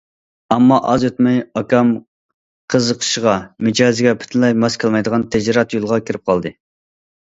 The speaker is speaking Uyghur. ئەمما ئاز ئۆتمەي ئاكام قىزىقىشىغا، مىجەزىگە پۈتۈنلەي ماس كەلمەيدىغان تىجارەت يولىغا كىرىپ قالدى.